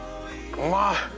うまい！